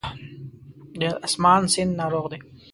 د آسمان سیند ناروغ دی